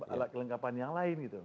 alat kelengkapan yang lain gitu